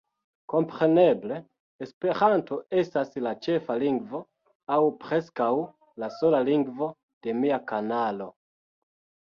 Kompreneble, Esperanto estas la ĉefa lingvo aŭ preskaŭ la sola lingvo de mia kanalo.